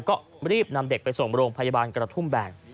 ก็รีบนำเด็กไปส่งโรงพยาบาลกระทุ่มแบน